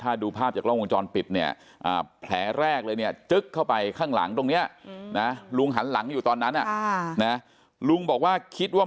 ถ้าดูภาพจากกล้องวงจรปิดเนี่ยแผลแรกเลยเนี่ยจึ๊กเข้าไปข้างหลังตรงนี้นะลุงหันหลังอยู่ตอนนั้นลุงบอกว่าคิดว่า